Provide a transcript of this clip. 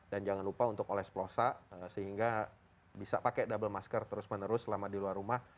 dan jangan lupa untuk oles plosa sehingga bisa pakai double masker terus menerus selama di luar rumah